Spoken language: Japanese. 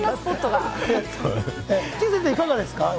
てぃ先生、いかがですか？